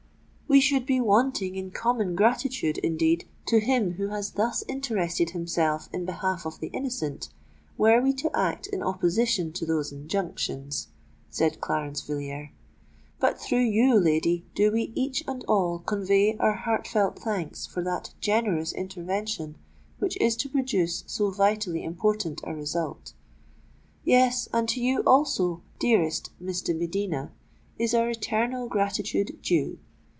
"We should be wanting in common gratitude, indeed, to him who has thus interested himself in behalf of the innocent, were we to act in opposition to those injunctions," said Clarence Villiers. "But through you, lady, do we each and all convey our heart felt thanks for that generous intervention which is to produce so vitally important a result." "Yes—and to you also, dearest Miss de Medina, is our eternal gratitude due!"